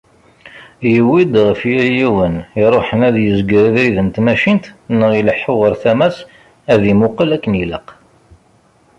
Yuwi-d ɣef yal yiwen iruḥen ad yezger abrid n tmacint neɣ ileḥḥu ɣer tama-s, ad imuqel akken ilaq.